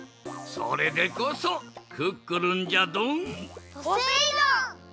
それでこそクックルンじゃドン！